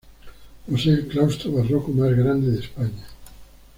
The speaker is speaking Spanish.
Posee el claustro barroco más grande de España.